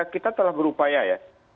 kita telah berupaya ya